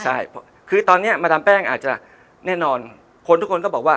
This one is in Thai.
ใช่คือตอนนี้มาดามแป้งอาจจะแน่นอนคนทุกคนก็บอกว่า